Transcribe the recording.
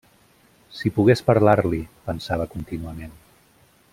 Si pogués parlar-li!- pensava contínuament.